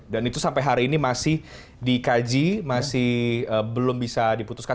dan itu sampai hari ini masih dikaji masih belum bisa diputuskan